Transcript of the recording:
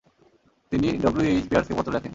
তিনি W. H. পিয়ার্সকে পত্র লেখেন।